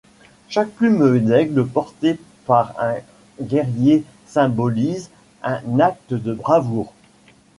Chaque plume d'aigle portée par un guerrier symbolise un acte de bravoure.